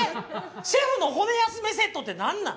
シェフの骨休めセットって何なん？